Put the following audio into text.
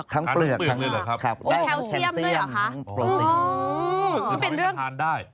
ทั้งเปลือกครับเทลเซียมทั้งโปรตีนอ๋อโอ้วิ่งทานได้